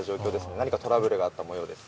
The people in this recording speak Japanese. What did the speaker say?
何かトラブルがあった模様です。